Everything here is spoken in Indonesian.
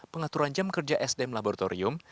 pengaturan jam kerja sdm laboratorium